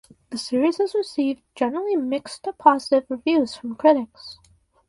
The series has received generally mixed to positive reviews from critics.